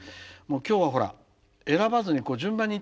今日はほら選ばずに順番に行ってるでしょ僕。